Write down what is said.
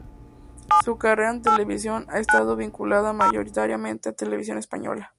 Su carrera en televisión ha estado vinculada mayoritariamente a Televisión Española.